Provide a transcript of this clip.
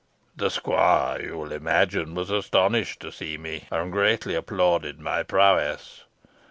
The squire, you will imagine, was astonished to see me, and greatly applauded my prowess.